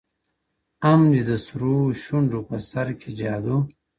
هم دي د سرو سونډو په سر كي جـادو.